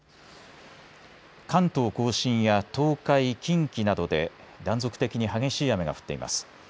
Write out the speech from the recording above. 関東甲信や東海、近畿などで断続的に激しい雨が降っています。